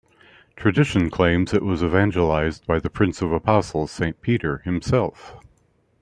Tradition claims it was evangelized by the Prince of Apostles Saint Peter himself.